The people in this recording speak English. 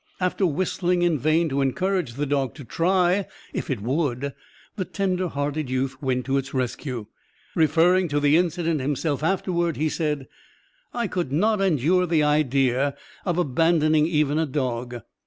After whistling in vain to encourage the dog to try if it would, the tender hearted youth went to its rescue. Referring to the incident himself afterward, he said: "I could not endure the idea of abandoning even a dog.